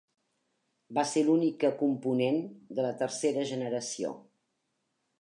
Va ser l'única component de la tercera generació.